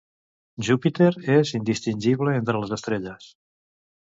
Júpiter és indistingible entre les estrelles.